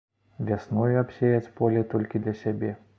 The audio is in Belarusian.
Вясною абсеяць поле толькі для сябе.